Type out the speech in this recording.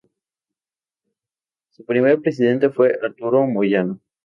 Su primer presidente fue Arturo Moyano.